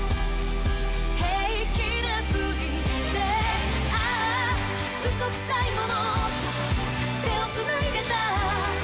「平気な振りして」「嘘くさいものと手を繋いでた」